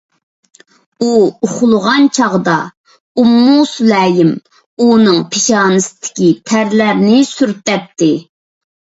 ئۇ ئۇخلىغان چاغدا، ئۇممۇ سۇلەيم ئۇنىڭ پېشانىسىدىكى تەرلەرنى سۈرتەتتى.